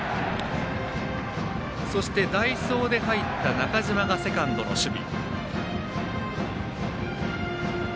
そして、代走で入った中島がセカンドの守備。